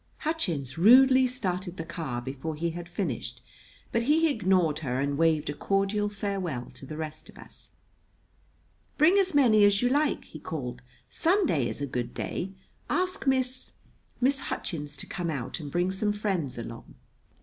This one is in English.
Hutchins rudely started the car before he had finished; but he ignored her and waved a cordial farewell to the rest of us. "Bring as many as you like," he called. "Sunday is a good day. Ask Miss Miss Hutchins to come out and bring some friends along."